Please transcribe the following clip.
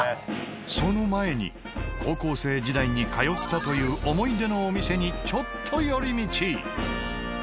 その前に高校生時代に通ったという思い出のお店にちょっと寄り道。